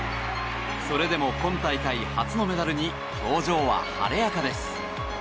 それでも今大会初のメダルに表情は晴れやかです。